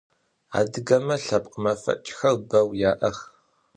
Adıgeme lhepkh mefeç'xer beu ya'ex.